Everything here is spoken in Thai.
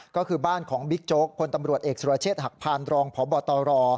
ก็คือบ้านของบิ๊กโจ๊กพลตำรวจเอกสุรเชษฐหักพานรองพบตร